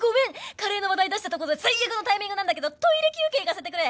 カレーの話題出したとこで最悪のタイミングなんだけどトイレ休憩行かせてくれ！